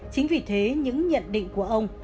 chính vì thế những nhận định của ông